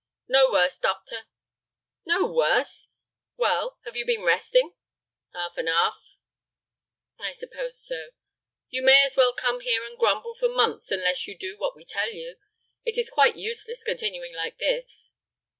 "No worse, doct'r." "No worse! Well, have you been resting?" "Half an' half." "I suppose so. You may as well come here and grumble for months unless you do what we tell you. It is quite useless continuing like this."